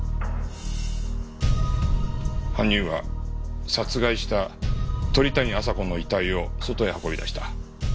犯人は殺害した鳥谷亜沙子の遺体を外へ運び出した。